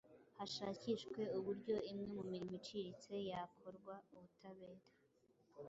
Hashakishwe uburyo imwe mu mirimo iciriritse yakorwa .Ubutabera